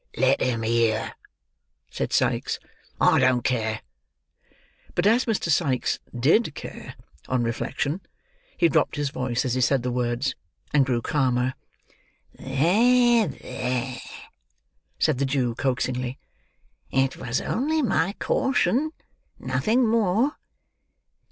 "Let 'em hear!" said Sikes; "I don't care." But as Mr. Sikes did care, on reflection, he dropped his voice as he said the words, and grew calmer. "There, there," said the Jew, coaxingly. "It was only my caution, nothing more.